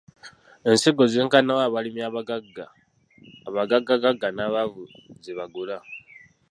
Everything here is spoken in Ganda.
Ensigo zenkana wa abalimi abagagga, abagaggagagga n’abaavu ze bagula?